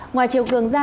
ngoài chiều cường ra